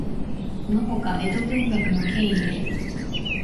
このほか、江戸文学の権威で、